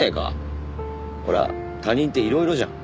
ほら他人っていろいろじゃん。